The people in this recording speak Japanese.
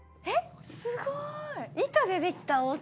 すごーい。